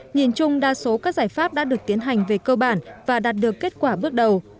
nhìn chung đa số các giải pháp đã được tiến hành về cơ bản và đạt được kết quả bước đầu